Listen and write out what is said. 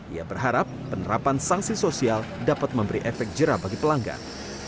ia berharap penerapan sanksi sosial dapat memberi efek jerah bagi pelanggan